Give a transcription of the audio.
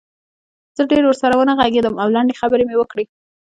زه ډېر ورسره ونه غږېدم او لنډې خبرې مې وکړې